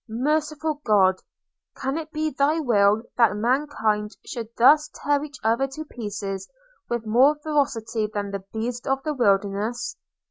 Merciful God! can it be thy will that mankind should thus tear each other to pieces with more ferocity than the beasts of the wilderness?